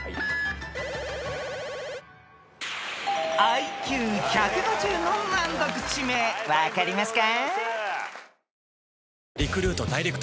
［ＩＱ１５０の難読地名分かりますか？］